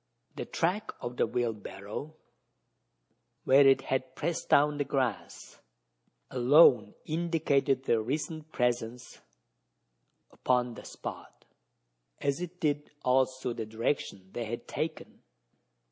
The track of the wheelbarrow, where it had pressed down the grass, alone indicated their recent presence upon the spot as it did also the direction they had taken.